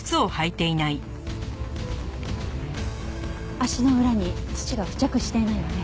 足の裏に土が付着していないわね。